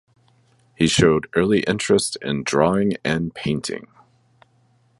He showed early interest in drawing and painting.